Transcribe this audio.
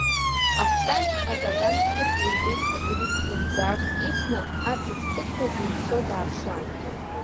Акәтаӷь, акакан ԥхыӡла ибеит агрипп хлымӡаах ихьны, аҵықь-аҵықьҳәа деимсо дааԥшуан.